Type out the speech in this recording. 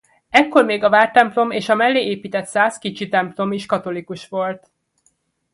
Ekkor még a vártemplom és a mellé épített szász kicsi templom is katolikus volt.